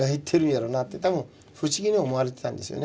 多分不思議に思われてたんですよね。